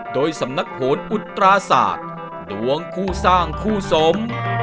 โดยสำนักโหนอุตราศาสตร์ดวงคู่สร้างคู่สม